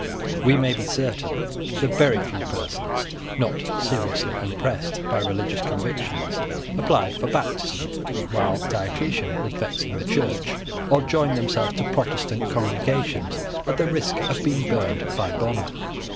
We may be certain that very few persons, not seriously impressed by religious convictions, applied for baptism while Diocletian was vexing the Church, or joined themselves to Protestant congregations at the risk of being burned by Bonner.